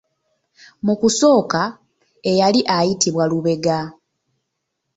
Mu kusooka eyali ayitibwa Lubega.